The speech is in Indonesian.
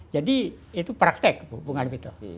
jadi itu praktek bukan hal itu